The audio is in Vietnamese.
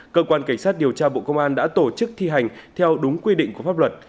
cơ quan cảnh sát điều tra bộ công an đã tổ chức thi hành theo đúng quy định của pháp luật